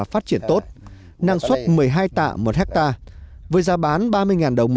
một hectare với giá bán ba mươi đồng